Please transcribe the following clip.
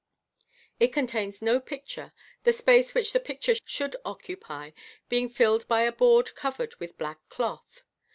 It contains no picture, the space which the picture should occupy being filled by a board cover ed with black cloth.